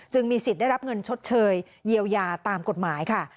มีสิทธิ์ได้รับเงินชดเชยเยียวยาตามกฎหมายค่ะ